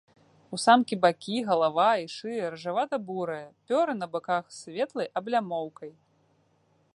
У самкі бакі, галава і шыя рыжавата-бурыя, пёры на баках з светлай аблямоўкай.